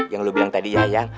yang lo bilang tadi ya